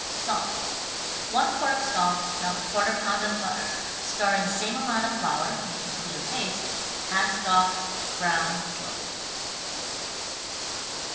Sauce: — i quart of stock — melt % pound of butter — stir in same amount of flour — making clear paste — add stock — brown slowly.